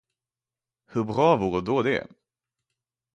Hur bra vore då det.